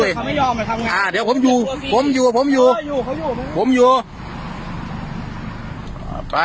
เอาอย่างเดี๋ยวขอบบผมอยู่ผมอยู่ผมอยู่